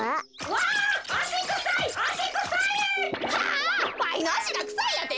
わいのあしがくさいやて？